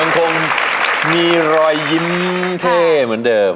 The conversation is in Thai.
คงมีรอยยิ้มเท่เหมือนเดิม